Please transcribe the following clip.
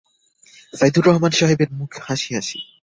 সাইদুর রহমান সাহেবের মুখ হাসি-হাসি।